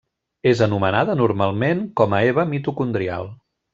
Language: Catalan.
És anomenada normalment com a Eva mitocondrial.